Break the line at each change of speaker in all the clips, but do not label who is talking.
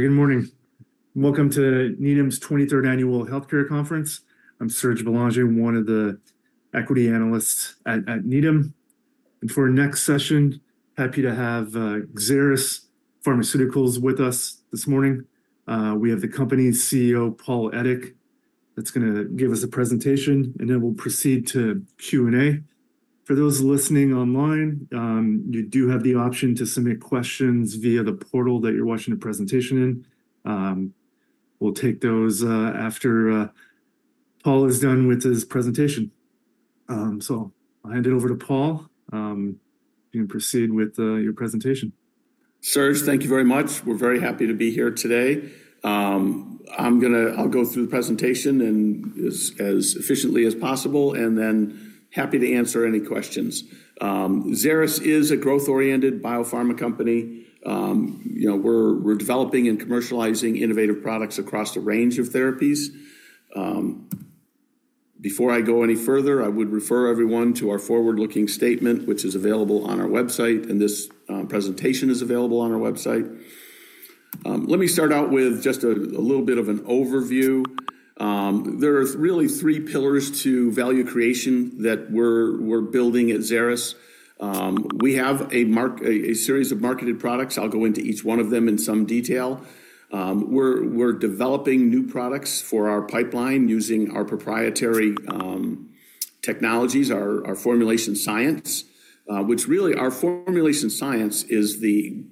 Good morning. Welcome to Needham's 23rd annual healthcare conference. I'm Serge Belanger, one of the equity analysts at Needham. For our next session, happy to have Xeris Pharmaceuticals with us this morning. We have the company's CEO, Paul Edick. That's gonna give us a presentation, and then we'll proceed to Q&A. For those listening online, you do have the option to submit questions via the portal that you're watching the presentation in. We'll take those after Paul is done with his presentation. I'll hand it over to Paul. You can proceed with your presentation.
Serge, thank you very much. We're very happy to be here today. I'm gonna go through the presentation as efficiently as possible, and then happy to answer any questions. Xeris is a growth-oriented biopharma company. You know, we're developing and commercializing innovative products across a range of therapies. Before I go any further, I would refer everyone to our forward-looking statement, which is available on our website, and this presentation is available on our website. Let me start out with just a little bit of an overview. There are really three pillars to value creation that we're building at Xeris. We have a series of marketed products. I'll go into each one of them in some detail. We're developing new products for our pipeline using our proprietary technologies, our formulation science, which really our formulation science is the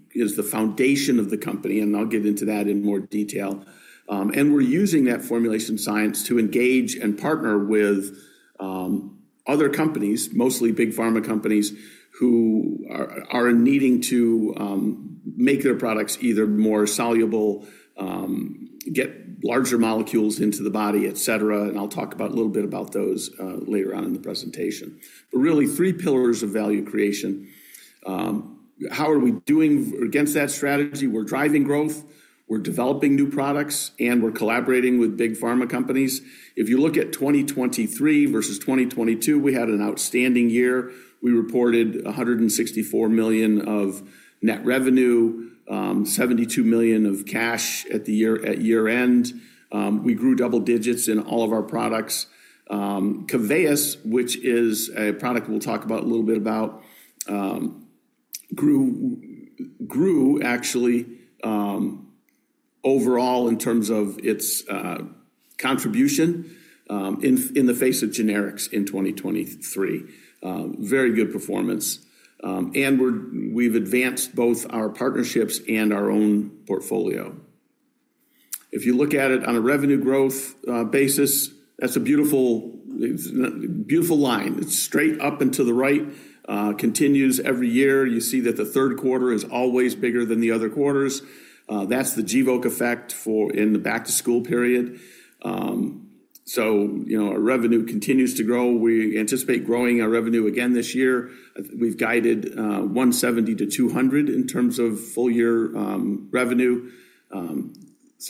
foundation of the company, and I'll get into that in more detail. We're using that formulation science to engage and partner with other companies, mostly big pharma companies, who are needing to make their products either more soluble, get larger molecules into the body, etc. I'll talk a little bit about those later on in the presentation. Really, three pillars of value creation. How are we doing against that strategy? We're driving growth. We're developing new products, and we're collaborating with big pharma companies. If you look at 2023 versus 2022, we had an outstanding year. We reported $164 million of net revenue, $72 million of cash at the year-end. We grew double digits in all of our products. Keveyis, which is a product we'll talk a little bit about, grew actually overall in terms of its contribution in the face of generics in 2023. Very good performance. We've advanced both our partnerships and our own portfolio. If you look at it on a revenue growth basis, that's a beautiful line. It's straight up and to the right. Continues every year. You see that the third quarter is always bigger than the other quarters. That's the Gvoke effect in the back-to-school period. Our revenue continues to grow. We anticipate growing our revenue again this year. We've guided $170 million-$200 million in terms of full-year revenue.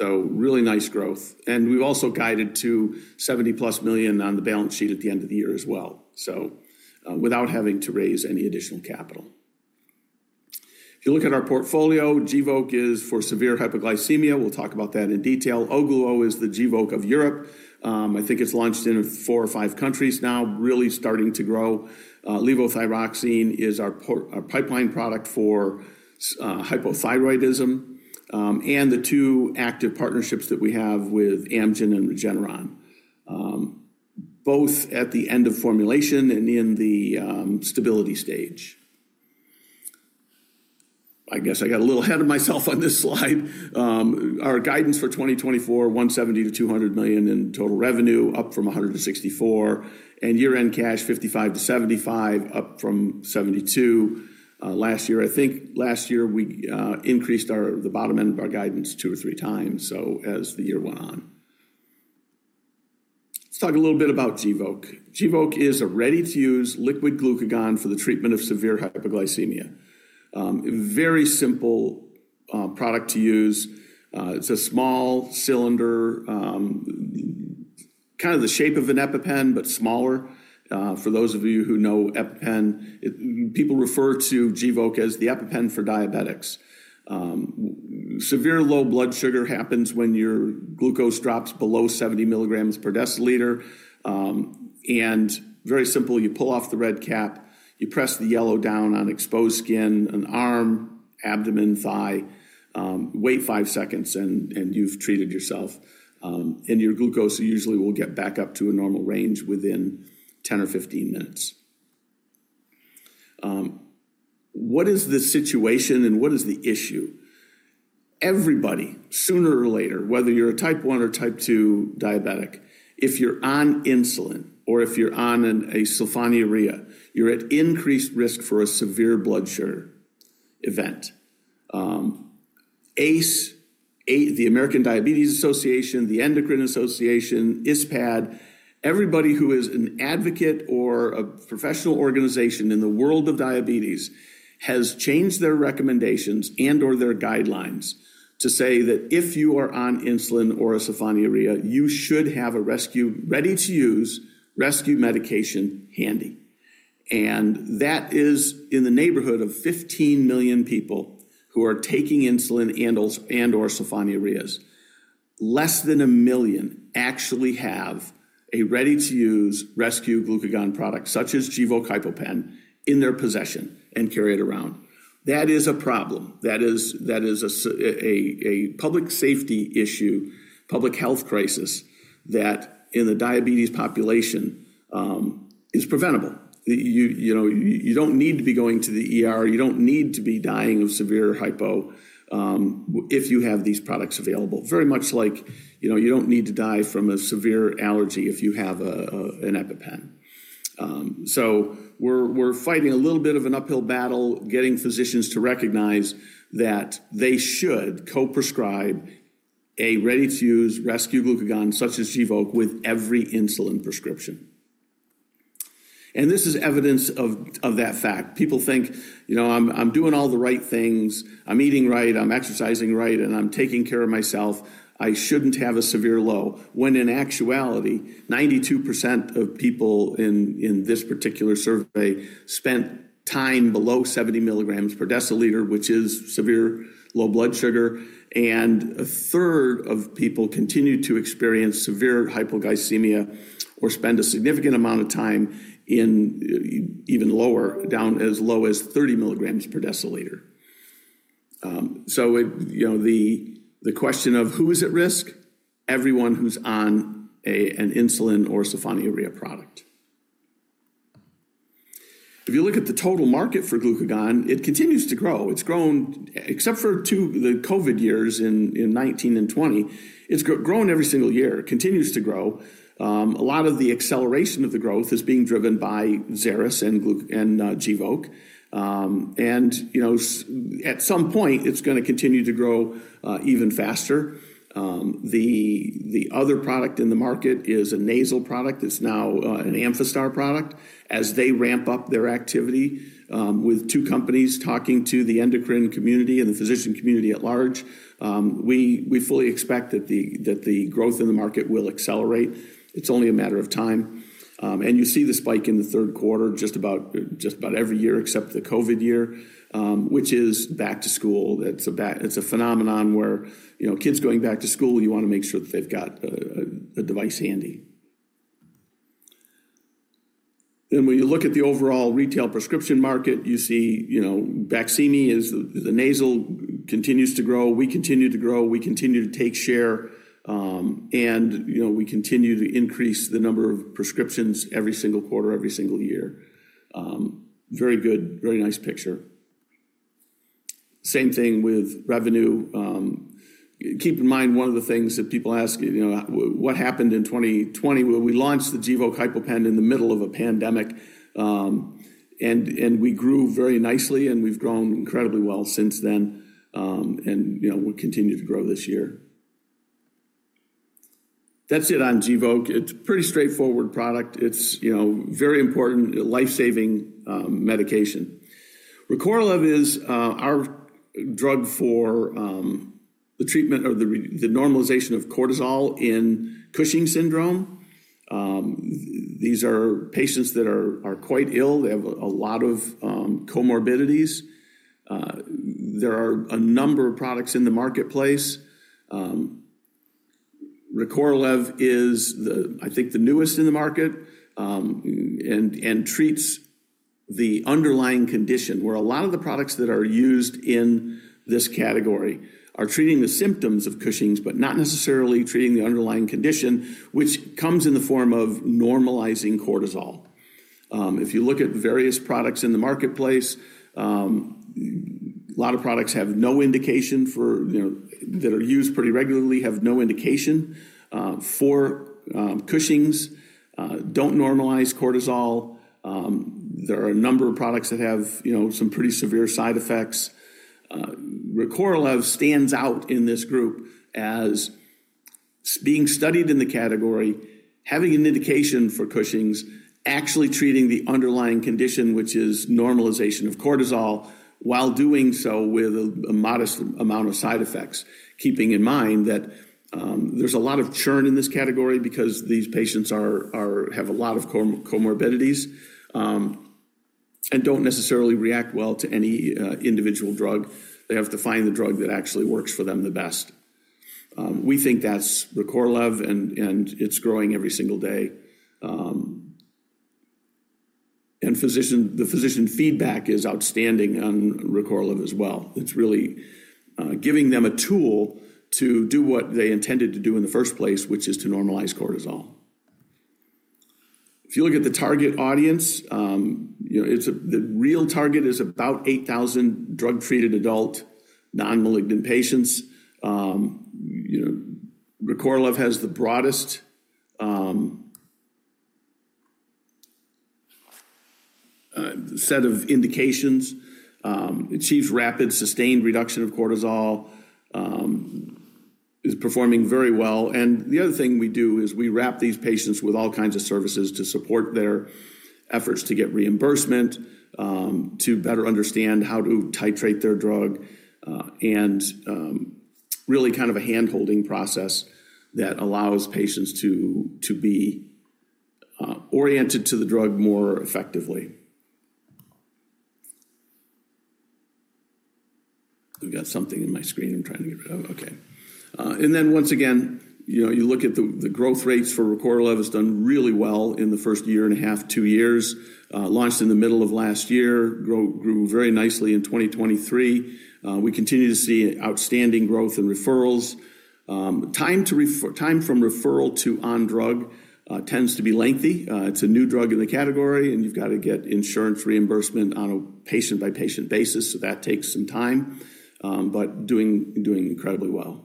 Really nice growth. We've also guided to $70+ million on the balance sheet at the end of the year as well. Without having to raise any additional capital. If you look at our portfolio, Gvoke is for severe hypoglycemia. We'll talk about that in detail. Ogluo is the Gvoke of Europe. I think it's launched in four or five countries now, really starting to grow. levothyroxine is our pipeline product for hypothyroidism. The two active partnerships that we have with Amgen and Regeneron. Both at the end of formulation and in the stability stage. I guess I got a little ahead of myself on this slide. Our guidance for 2024, $170 million-$200 million in total revenue, up from $164 million. Year-end cash, $55 million-$75 million, up from $72 million. Last year, I think last year we increased the bottom end of our guidance two or three times as the year went on. Let's talk a little bit about Gvoke. Gvoke is a ready-to-use liquid glucagon for the treatment of severe hypoglycemia. Very simple product to use. It's a small cylinder. Kind of the shape of an EpiPen, but smaller. For those of you who know EpiPen, people refer to GVOKE as the EpiPen for diabetics. Severe low blood sugar happens when your glucose drops below 70 milligrams per deciliter. Very simple, you pull off the red cap. You press the yellow down on exposed skin, an arm, abdomen, thigh. Wait 5 seconds and you've treated yourself. Your glucose usually will get back up to a normal range within 10 or 15 minutes. What is the situation and what is the issue? Everybody, sooner or later, whether you're a type one or type two diabetic, if you're on insulin or if you're on a sulfonylurea, you're at increased risk for a severe blood sugar event. AACE, the American Diabetes Association, the Endocrine Association, ISPAD, everybody who is an advocate or a professional organization in the world of diabetes has changed their recommendations and/or their guidelines to say that if you are on insulin or a sulfonylurea, you should have a rescue ready-to-use rescue medication handy. And that is in the neighborhood of 15 million people who are taking insulin and/or sulfonylureas. Less than 1 million actually have a ready-to-use rescue glucagon product such as GVOKE HypoPen in their possession and carry it around. That is a problem. That is a public safety issue, public health crisis that in the diabetes population is preventable. You don't need to be dying of severe hypo if you have these products available. Very much like you don't need to die from a severe allergy if you have an EpiPen. So we're fighting a little bit of an uphill battle getting physicians to recognize that they should co-prescribe a ready-to-use rescue glucagon such as Gvoke with every insulin prescription. And this is evidence of that fact. People think, you know, I'm doing all the right things. I'm eating right. I'm exercising right. And I'm taking care of myself. I shouldn't have a severe low. When in actuality, 92% of people in this particular survey spent time below 70 milligrams per deciliter, which is severe low blood sugar. And a third of people continue to experience severe hypoglycemia or spend a significant amount of time in even lower, down as low as 30 milligrams per deciliter. So the question of who is at risk? Everyone who's on an insulin or sulfonylurea product. If you look at the total market for glucagon, it continues to grow. It's grown except for the COVID years in 2019 and 2020. It's grown every single year. Continues to grow. A lot of the acceleration of the growth is being driven by Xeris and GVOKE. At some point, it's going to continue to grow even faster. The other product in the market is a nasal product. It's now an Amphastar product. As they ramp up their activity with two companies talking to the endocrine community and the physician community at large, we fully expect that the growth in the market will accelerate. It's only a matter of time. You see the spike in the third quarter just about every year except the COVID year, which is back to school. It's a phenomenon where kids going back to school, you want to make sure that they've got a device handy. Then when you look at the overall retail prescription market, you see Baqsimi is the nasal continues to grow. We continue to grow. We continue to take share. And we continue to increase the number of prescriptions every single quarter, every single year. Very good, very nice picture. Same thing with revenue. Keep in mind one of the things that people ask, what happened in 2020? We launched the GVOKE HypoPen in the middle of a pandemic. And we grew very nicely and we've grown incredibly well since then. And we'll continue to grow this year. That's it on GVOKE. It's a pretty straightforward product. It's very important, life-saving medication. Recorlev is our drug for the treatment or the normalization of cortisol in Cushing's syndrome. These are patients that are quite ill. They have a lot of comorbidities. There are a number of products in the marketplace. Recorlev is, I think, the newest in the market and treats the underlying condition where a lot of the products that are used in this category are treating the symptoms of Cushing's, but not necessarily treating the underlying condition, which comes in the form of normalizing cortisol. If you look at various products in the marketplace, a lot of products have no indication for that, are used pretty regularly, have no indication for Cushing's, don't normalize cortisol. There are a number of products that have some pretty severe side effects. Recorlev stands out in this group as being studied in the category, having an indication for Cushing's, actually treating the underlying condition, which is normalization of cortisol, while doing so with a modest amount of side effects. Keeping in mind that there's a lot of churn in this category because these patients have a lot of comorbidities and don't necessarily react well to any individual drug. They have to find the drug that actually works for them the best. We think that's Recorlev and it's growing every single day. The physician feedback is outstanding on Recorlev as well. It's really giving them a tool to do what they intended to do in the first place, which is to normalize cortisol. If you look at the target audience, the real target is about 8,000 drug-treated adult non-malignant patients. Recorlev has the broadest set of indications. It achieves rapid, sustained reduction of cortisol. It's performing very well. The other thing we do is we wrap these patients with all kinds of services to support their efforts to get reimbursement, to better understand how to titrate their drug, and really kind of a handholding process that allows patients to be oriented to the drug more effectively. I've got something in my screen. I'm trying to get rid of it. Okay. Then once again, you look at the growth rates for Recorlev. It's done really well in the first year and a half, two years. Launched in the middle of last year. Grew very nicely in 2023. We continue to see outstanding growth in referrals. Time from referral to on-drug tends to be lengthy. It's a new drug in the category and you've got to get insurance reimbursement on a patient-by-patient basis. So that takes some time, but doing incredibly well.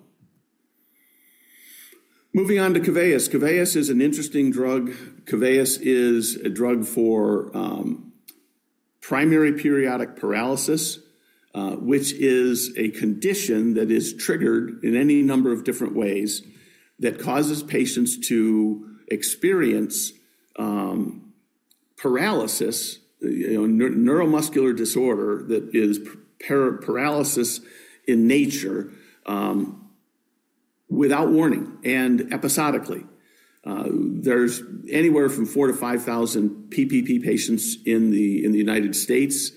Moving on to Keveyis. Keveyis is an interesting drug. Keveyis is a drug for primary periodic paralysis, which is a condition that is triggered in any number of different ways that causes patients to experience paralysis, neuromuscular disorder that is paralysis in nature without warning and episodically. There's anywhere from 4,000-5,000 PPP patients in the United States.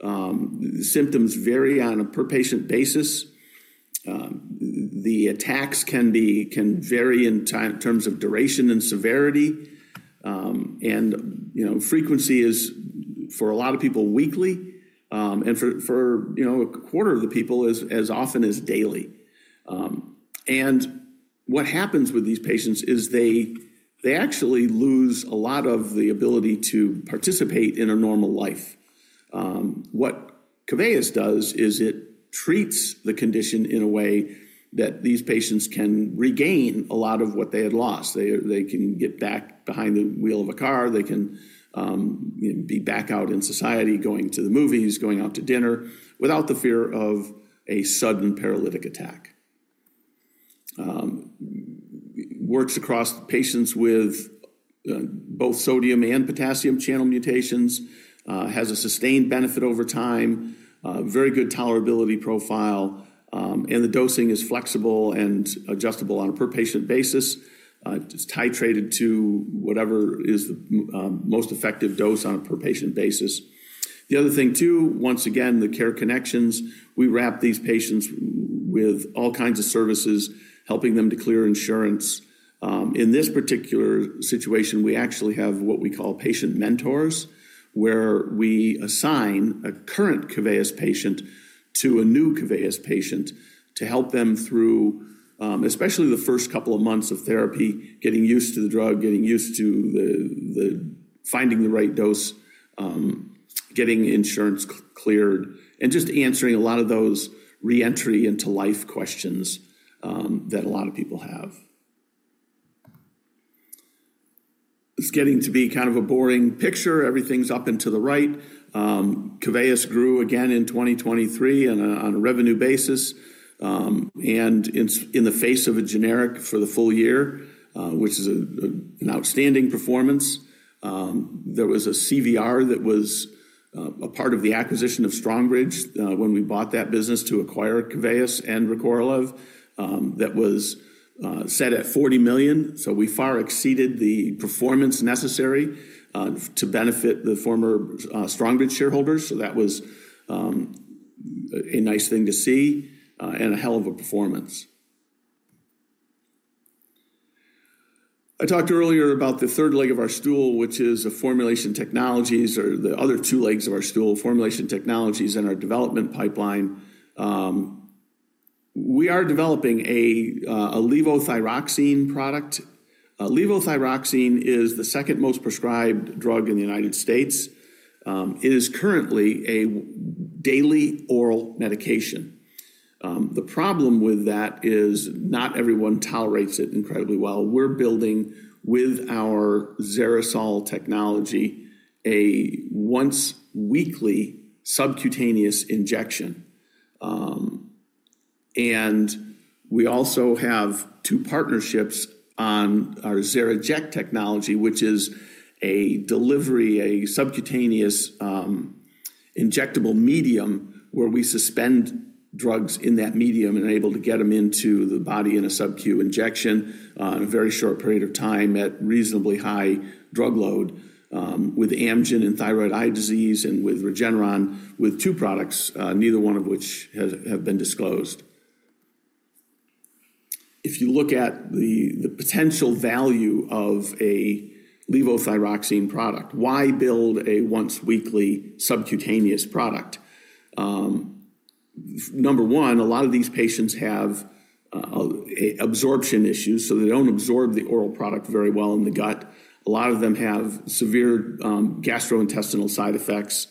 Symptoms vary on a per-patient basis. The attacks can vary in terms of duration and severity. Frequency is for a lot of people weekly. For a quarter of the people, as often as daily. What happens with these patients is they actually lose a lot of the ability to participate in a normal life. What Keveyis does is it treats the condition in a way that these patients can regain a lot of what they had lost. They can get back behind the wheel of a car. They can be back out in society, going to the movies, going out to dinner without the fear of a sudden paralytic attack. Works across patients with both sodium and potassium channel mutations. Has a sustained benefit over time. Very good tolerability profile. The dosing is flexible and adjustable on a per-patient basis. It's titrated to whatever is the most effective dose on a per-patient basis. The other thing, too, once again, the care connections. We wrap these patients with all kinds of services, helping them to clear insurance. In this particular situation, we actually have what we call patient mentors where we assign a current KEVEYIS patient to a new KEVEYIS patient to help them through especially the first couple of months of therapy, getting used to the drug, getting used to finding the right dose, getting insurance cleared, and just answering a lot of those reentry into life questions that a lot of people have. It's getting to be kind of a boring picture. Everything's up and to the right. KEVEYIS grew again in 2023 on a revenue basis. And in the face of a generic for the full year, which is an outstanding performance, there was a CVR that was a part of the acquisition of Strongbridge when we bought that business to acquire KEVEYIS and Recorlev that was set at $40 million. So we far exceeded the performance necessary to benefit the former Strongbridge shareholders. So that was a nice thing to see and a hell of a performance. I talked earlier about the third leg of our stool, which is a formulation technologies or the other two legs of our stool, formulation technologies and our development pipeline. We are developing a Levothyroxine product. Levothyroxine is the second most prescribed drug in the United States. It is currently a daily oral medication. The problem with that is not everyone tolerates it incredibly well. We're building with our XeriSol technology a once-weekly subcutaneous injection. And we also have 2 partnerships on our XeriJect technology, which is a delivery, a sub-Qtaneous injectable medium where we suspend drugs in that medium and are able to get them into the body in a sub-Q injection in a very short period of time at reasonably high drug load with Amgen and thyroid eye disease and with Regeneron with 2 products, neither one of which have been disclosed. If you look at the potential value of a levothyroxine product, why build a once-weekly sub-Qtaneous product? 1, a lot of these patients have absorption issues, so they don't absorb the oral product very well in the gut. A lot of them have severe gastrointestinal side effects.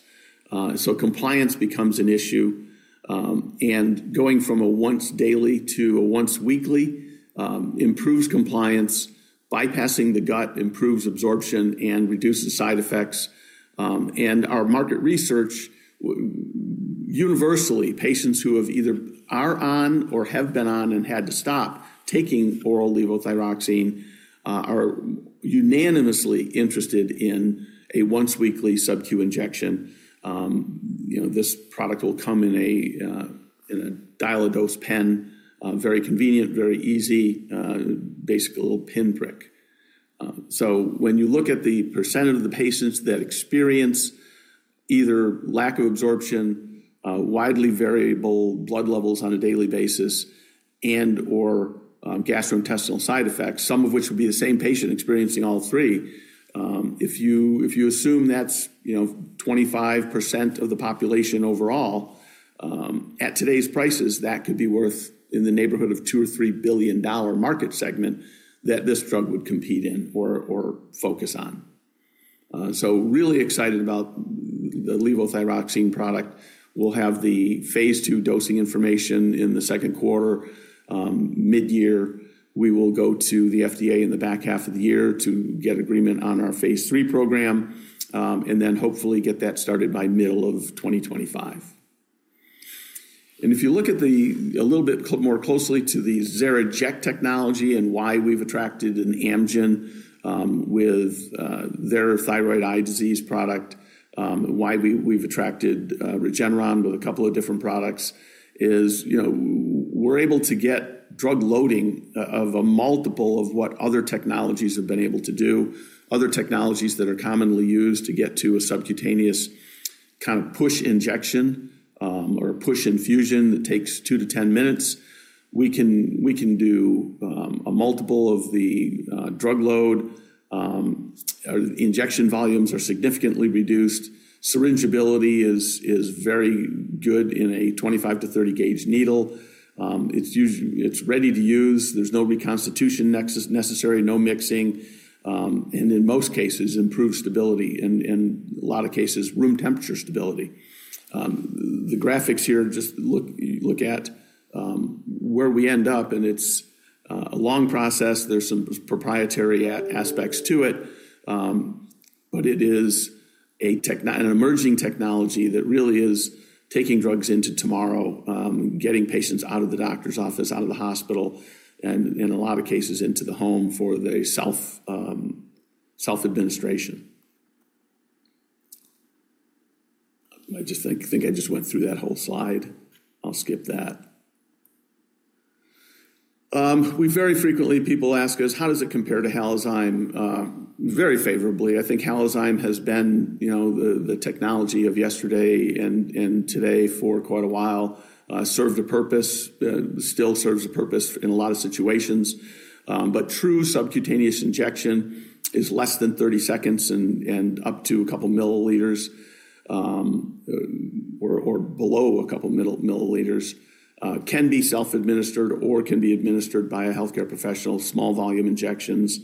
So compliance becomes an issue. And going from a once-daily to a once-weekly improves compliance, bypassing the gut, improves absorption, and reduces side effects. Our market research, universally, patients who either are on or have been on and had to stop taking oral Levothyroxine are unanimously interested in a once-weekly subcu injection. This product will come in a dial-a-dose pen, very convenient, very easy, basically a little pin prick. So when you look at the percentage of the patients that experience either lack of absorption, widely variable blood levels on a daily basis, and/or gastrointestinal side effects, some of which would be the same patient experiencing all three, if you assume that's 25% of the population overall, at today's prices, that could be worth in the neighborhood of $2-$3 billion market segment that this drug would compete in or focus on. So really excited about the Levothyroxine product. We'll have the phase 2 dosing information in the second quarter. Mid-year, we will go to the FDA in the back half of the year to get agreement on our phase 3 program and then hopefully get that started by middle of 2025. If you look at it a little bit more closely to the XeriJect technology and why we've attracted an Amgen with their thyroid eye disease product, why we've attracted Regeneron with a couple of different products, is we're able to get drug loading of a multiple of what other technologies have been able to do, other technologies that are commonly used to get to a subcutaneous kind of push injection or push infusion that takes 2-10 minutes. We can do a multiple of the drug load. Injection volumes are significantly reduced. Syringeability is very good in a 25-30 gauge needle. It's ready to use. There's no reconstitution necessary, no mixing. In most cases, improved stability and in a lot of cases, room temperature stability. The graphics here just look at where we end up, and it's a long process. There's some proprietary aspects to it. But it is an emerging technology that really is taking drugs into tomorrow, getting patients out of the doctor's office, out of the hospital, and in a lot of cases, into the home for the self-administration. I think I just went through that whole slide. I'll skip that. We very frequently, people ask us, how does it compare to Halozyme? Very favorably. I think Halozyme has been the technology of yesterday and today for quite a while, served a purpose, still serves a purpose in a lot of situations. But true subcutaneous injection is less than 30 seconds and up to a couple milliliters or below a couple milliliters, can be self-administered or can be administered by a healthcare professional, small volume injections,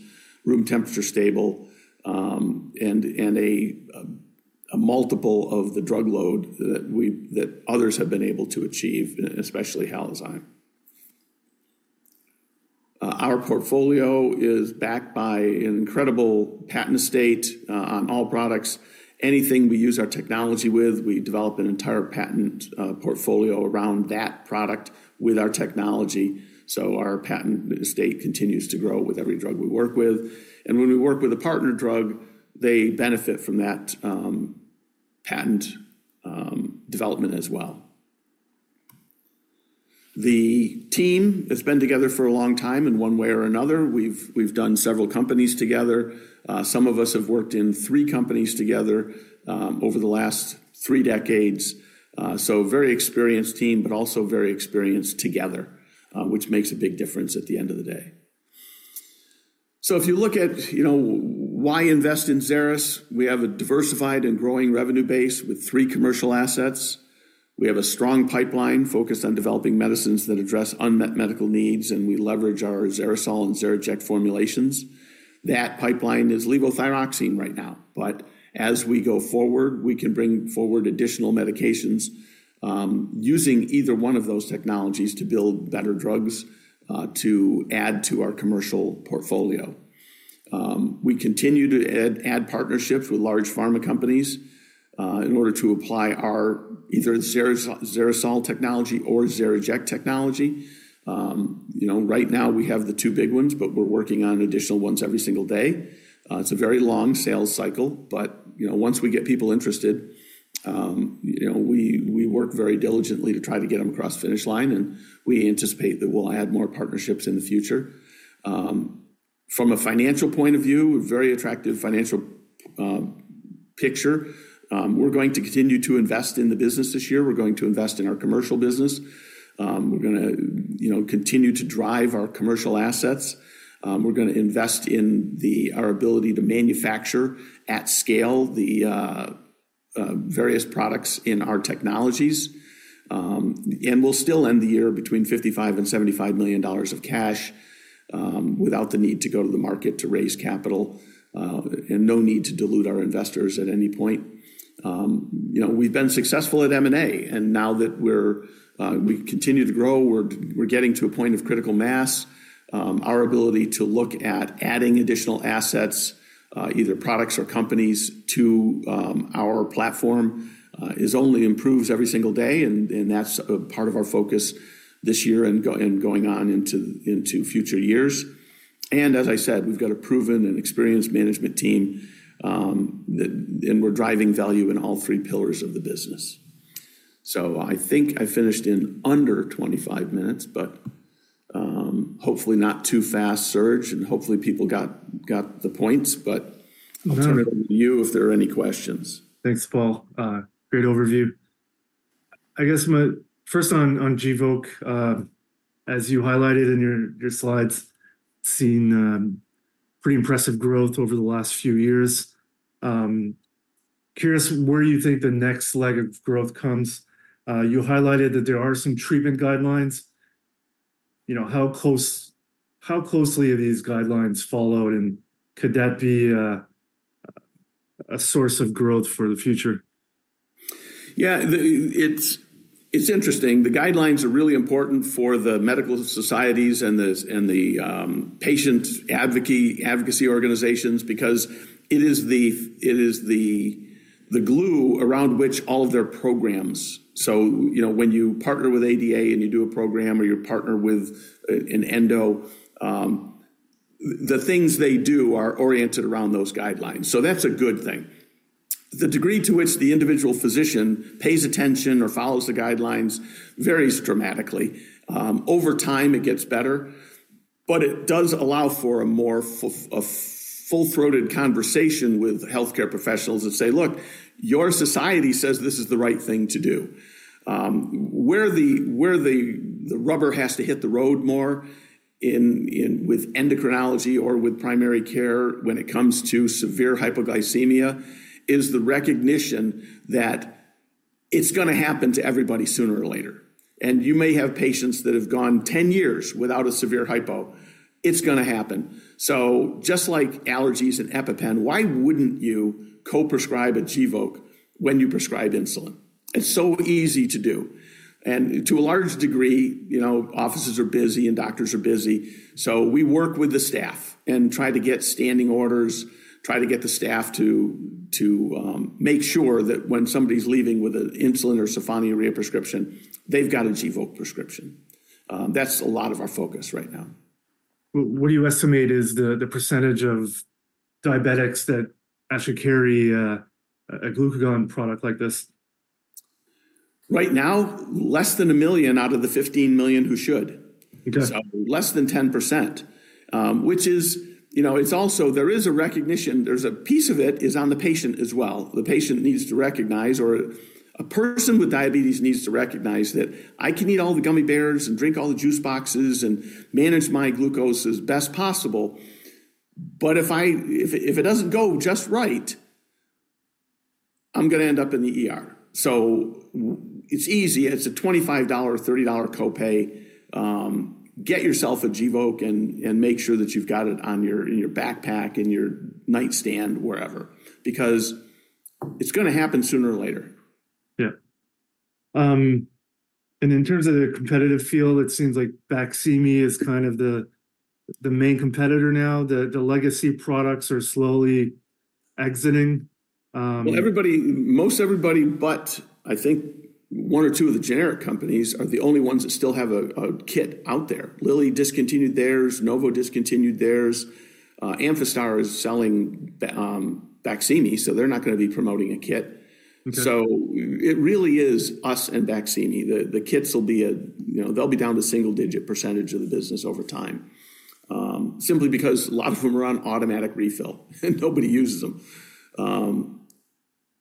room temperature stable, and a multiple of the drug load that others have been able to achieve, especially Halozyme. Our portfolio is backed by an incredible patent estate on all products. Anything we use our technology with, we develop an entire patent portfolio around that product with our technology. So our patent estate continues to grow with every drug we work with. And when we work with a partner drug, they benefit from that patent development as well. The team has been together for a long time in one way or another. We've done several companies together. Some of us have worked in three companies together over the last three decades. So very experienced team, but also very experienced together, which makes a big difference at the end of the day. So if you look at why invest in Xeris, we have a diversified and growing revenue base with three commercial assets. We have a strong pipeline focused on developing medicines that address unmet medical needs, and we leverage our XeriSol and XeriJect formulations. That pipeline is levothyroxine right now. But as we go forward, we can bring forward additional medications using either one of those technologies to build better drugs to add to our commercial portfolio. We continue to add partnerships with large pharma companies in order to apply either the XeriSol technology or XeriJect technology. Right now, we have the two big ones, but we're working on additional ones every single day. It's a very long sales cycle, but once we get people interested, we work very diligently to try to get them across the finish line, and we anticipate that we'll add more partnerships in the future. From a financial point of view, a very attractive financial picture, we're going to continue to invest in the business this year. We're going to invest in our commercial business. We're going to continue to drive our commercial assets. We're going to invest in our ability to manufacture at scale the various products in our technologies. And we'll still end the year between $55 and $75 million of cash without the need to go to the market to raise capital and no need to dilute our investors at any point. We've been successful at M&A, and now that we continue to grow, we're getting to a point of critical mass. Our ability to look at adding additional assets, either products or companies, to our platform only improves every single day, and that's a part of our focus this year and going on into future years. And as I said, we've got a proven and experienced management team, and we're driving value in all three pillars of the business. So I think I finished in under 25 minutes, but hopefully not too fast, Serge, and hopefully people got the points, but I'll turn it over to you if there are any questions. Thanks, Paul. Great overview. I guess first on GVOKE, as you highlighted in your slides, seen pretty impressive growth over the last few years. Curious where you think the next leg of growth comes. You highlighted that there are some treatment guidelines. How closely are these guidelines followed, and could that be a source of growth for the future? Yeah, it's interesting. The guidelines are really important for the medical societies and the patient advocacy organizations because it is the glue around which all of their programs. So when you partner with ADA and you do a program or you partner with an endo, the things they do are oriented around those guidelines. So that's a good thing. The degree to which the individual physician pays attention or follows the guidelines varies dramatically. Over time, it gets better. But it does allow for a more full-throated conversation with healthcare professionals that say, "Look, your society says this is the right thing to do." Where the rubber has to hit the road more with endocrinology or with primary care when it comes to severe hypoglycemia is the recognition that it's going to happen to everybody sooner or later. You may have patients that have gone 10 years without a severe hypo. It's going to happen. So just like allergies and EpiPen, why wouldn't you co-prescribe a Gvoke when you prescribe insulin? It's so easy to do. And to a large degree, offices are busy and doctors are busy. So we work with the staff and try to get standing orders, try to get the staff to make sure that when somebody's leaving with an insulin or sulfonylurea prescription, they've got a Gvoke prescription. That's a lot of our focus right now. What do you estimate is the percentage of diabetics that actually carry a glucagon product like this? Right now, less than 1 million out of the 15 million who should. So less than 10%, which is it's also there is a recognition. There's a piece of it is on the patient as well. The patient needs to recognize, or a person with diabetes needs to recognize, that I can eat all the gummy bears and drink all the juice boxes and manage my glucose as best possible. But if it doesn't go just right, I'm going to end up in the ER. So it's easy. It's a $25-$30 copay. Get yourself a Gvoke and make sure that you've got it in your backpack, in your nightstand, wherever, because it's going to happen sooner or later. Yeah. And in terms of the competitive field, it seems like Baqsimi is kind of the main competitor now. The legacy products are slowly exiting. Well, most everybody but I think one or two of the generic companies are the only ones that still have a kit out there. Lilly discontinued theirs, Novo discontinued theirs. Amphastar is selling Baqsimi, so they're not going to be promoting a kit. So it really is us and Baqsimi. The kits will be a they'll be down to single-digit % of the business over time, simply because a lot of them are on automatic refill and nobody uses them.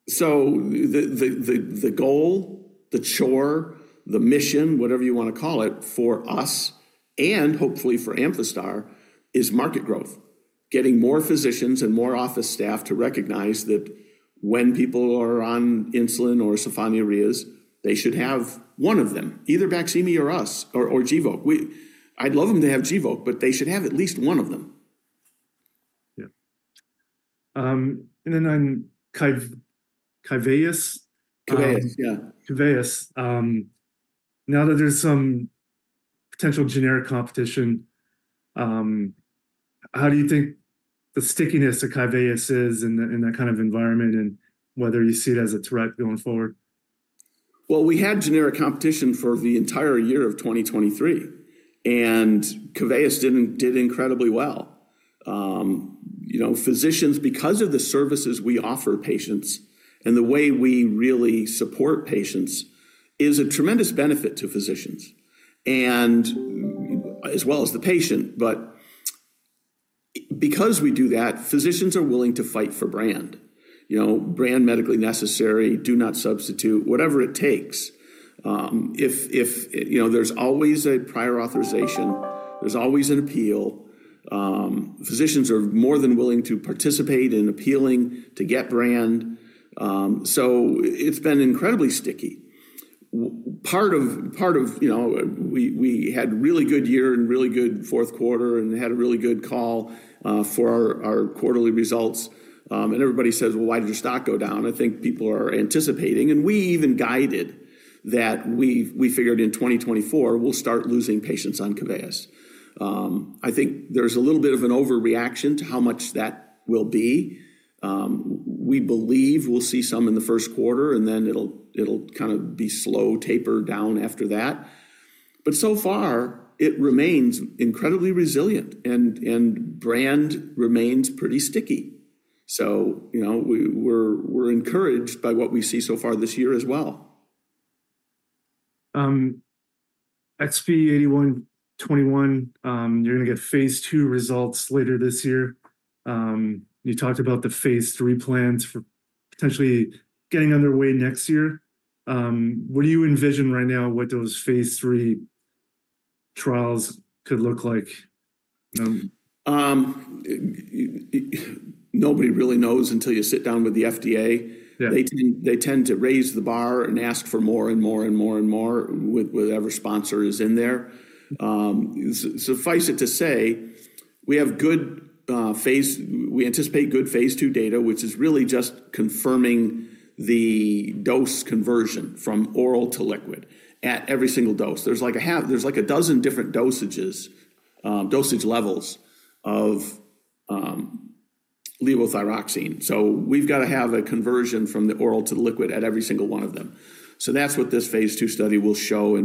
So the goal, the chore, the mission, whatever you want to call it for us and hopefully for Amphastar is market growth, getting more physicians and more office staff to recognize that when people are on insulin or sulfonylurea, they should have one of them, either Baqsimi or us or Gvoke. I'd love them to have Gvoke, but they should have at least one of them. Yeah. And then on Keveyis. Keveyis, yeah. Keveyis. Now that there's some potential generic competition, how do you think the stickiness to Keveyis is in that kind of environment and whether you see it as a threat going forward? Well, we had generic competition for the entire year of 2023, and Keveyis did incredibly well. Physicians, because of the services we offer patients and the way we really support patients, is a tremendous benefit to physicians as well as the patient. But because we do that, physicians are willing to fight for brand. Brand medically necessary, do not substitute, whatever it takes. If there's always a prior authorization, there's always an appeal. Physicians are more than willing to participate in appealing to get brand. So it's been incredibly sticky. Part of we had a really good year and really good fourth quarter and had a really good call for our quarterly results. And everybody says, "Well, why did your stock go down?" I think people are anticipating. And we even guided that we figured in 2024, we'll start losing patients on Keveyis. I think there's a little bit of an overreaction to how much that will be. We believe we'll see some in the first quarter, and then it'll kind of be slow, taper down after that. But so far, it remains incredibly resilient, and brand remains pretty sticky. So we're encouraged by what we see so far this year as well. XP-8121, you're going to get phase 2 results later this year. You talked about the phase 3 plans for potentially getting underway next year. What do you envision right now, what those phase 3 trials could look like? Nobody really knows until you sit down with the FDA. They tend to raise the bar and ask for more and more and more and more with whatever sponsor is in there. Suffice it to say, we anticipate good phase 2 data, which is really just confirming the dose conversion from oral to liquid at every single dose. There's like half a dozen different dosage levels of levothyroxine. So we've got to have a conversion from the oral to the liquid at every single one of them. So that's what this phase 2 study will show.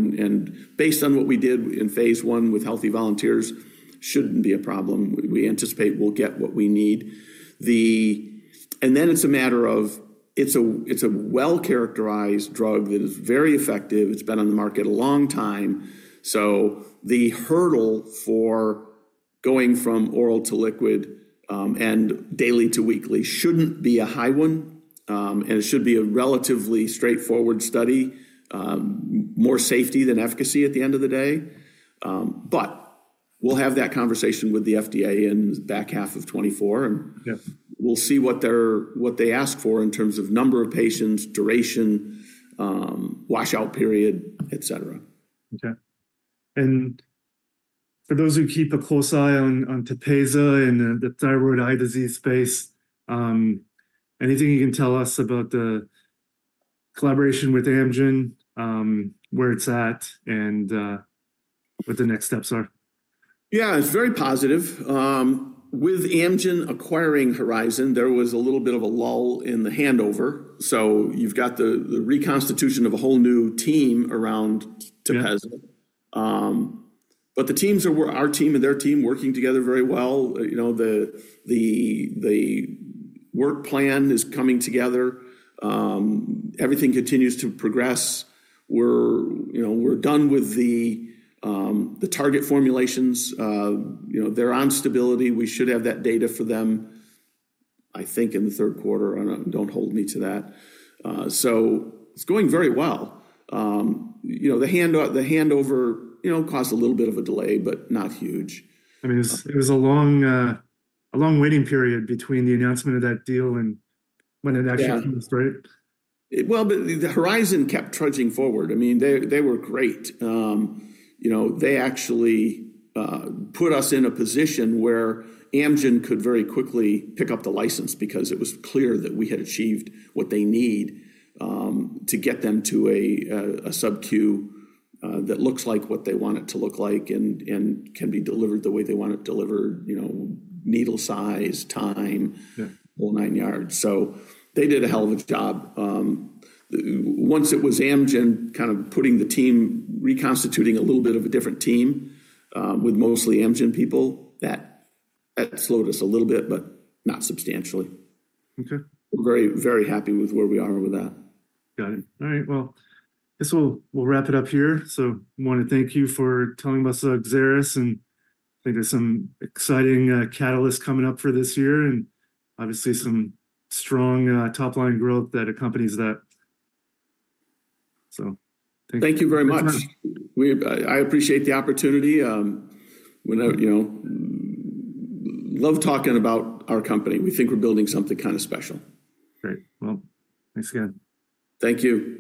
Based on what we did in phase 1 with healthy volunteers, it shouldn't be a problem. We anticipate we'll get what we need. Then it's a matter of. It's a well-characterized drug that is very effective. It's been on the market a long time. So the hurdle for going from oral to liquid and daily to weekly shouldn't be a high one. It should be a relatively straightforward study, more safety than efficacy at the end of the day. But we'll have that conversation with the FDA in the back half of 2024, and we'll see what they ask for in terms of number of patients, duration, washout period, etc. Okay. And for those who keep a close eye on Tepezza and the thyroid eye disease space, anything you can tell us about the collaboration with Amgen, where it's at, and what the next steps are? Yeah, it's very positive. With Amgen acquiring Horizon, there was a little bit of a lull in the handover. So you've got the reconstitution of a whole new team around Tepezza. But the teams are our team and their team working together very well. The work plan is coming together. Everything continues to progress. We're done with the target formulations. They're on stability. We should have that data for them, I think, in the third quarter. Don't hold me to that. So it's going very well. The handover caused a little bit of a delay, but not huge. I mean, it was a long waiting period between the announcement of that deal and when it actually comes, right? Well, but the Horizon kept trudging forward. I mean, they were great. They actually put us in a position where Amgen could very quickly pick up the license because it was clear that we had achieved what they need to get them to a sub-Q that looks like what they want it to look like and can be delivered the way they want it delivered, needle size, time, whole nine yards. So they did a hell of a job. Once it was Amgen kind of putting the team, reconstituting a little bit of a different team with mostly Amgen people, that slowed us a little bit, but not substantially. We're very, very happy with where we are with that. Got it. All right. Well, I guess we'll wrap it up here. So I want to thank you for telling us Xeris, and I think there's some exciting catalysts coming up for this year and obviously some strong top-line growth that accompanies that. So thank you. Thank you very much. I appreciate the opportunity. Love talking about our company. We think we're building something kind of special. Great. Well, thanks again. Thank you.